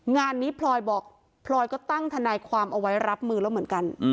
งานนี้พลอยบอกพลอยก็ตั้งทนายความเอาไว้รับมือแล้วเหมือนกัน